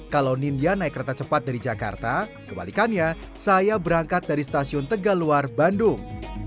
kalau nindya naik kereta cepat dari jakarta kebalikannya saya berangkat dari stasiun tegaluar bandung